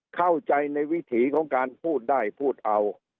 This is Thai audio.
เข้าใจในวิถีของการพูดได้พูดเอา